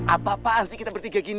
apa apaan sih kita bertiga gini